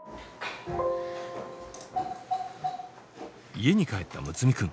家に帰った睦弥くん。